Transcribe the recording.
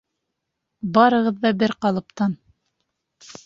Барығыҙ ҙа бер ҡалыптан.